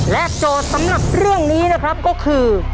โจทย์สำหรับเรื่องนี้นะครับก็คือ